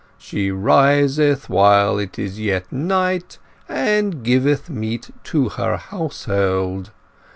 She riseth while it is yet night, and giveth meat to her household.